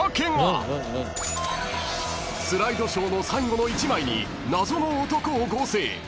［スライドショーの最後の１枚に謎の男を合成］